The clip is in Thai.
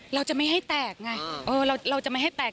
เราจะไม่ให้แตกไงเราจะไม่ให้แตก